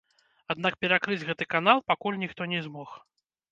Аднак перакрыць гэты канал пакуль ніхто не змог.